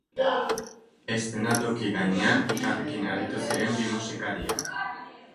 Eszenatoki gainean elkarrekin aritu ziren bi musikariak.